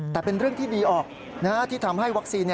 แต่เป็นเรื่องที่ดีออกที่ทำให้วัคซีน